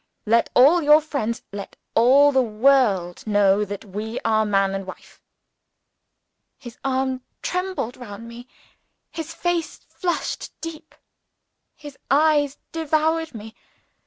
Let all your friends let all the world know that we are man and wife!" His arm trembled round me; his face flushed deep; his eyes devoured me.